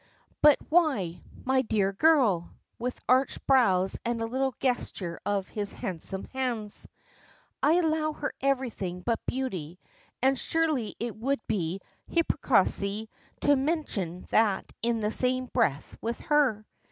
"But why, my dear girl?" with arched brows and a little gesture of his handsome hands. "I allow her everything but beauty, and surely it would be hypocrisy to mention that in the same breath with her."